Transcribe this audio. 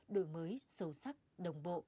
đổi mới sâu sắc đồng bộ